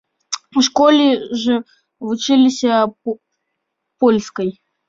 У школе ж вучыліся польскай!